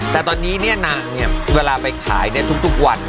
แต่ตอนนี้นางเวลาไปขายทุกวัน